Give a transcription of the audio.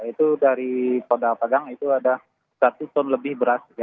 itu dari poda pegang itu ada satu ton lebih beras